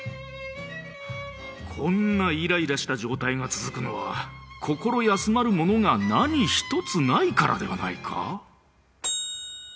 こんなイライラした状態が続くのは心休まるものが何一つないからではないか？